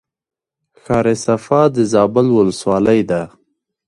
ښار صفا د زابل ولسوالۍ ده